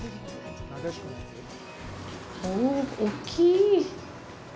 おぉ、大きい！